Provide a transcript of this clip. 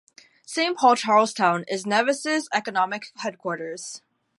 Saint Paul Charlestown is Nevis' economic headquarters.